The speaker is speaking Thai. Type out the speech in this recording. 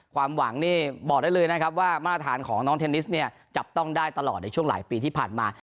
ความหวังนี่บอกได้เลยนะครับว่ามาตรฐานของน้องเทนนิสเนี่ยจับต้องได้ตลอดในช่วงหลายปีที่ผ่านมา